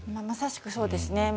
まさしくそうですね。